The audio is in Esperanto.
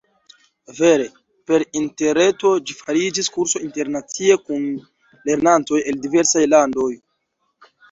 Vere, per interreto ĝi fariĝis kurso internacia kun lernantoj el diversaj landoj.